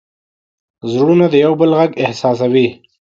زړونه د یو بل غږ احساسوي.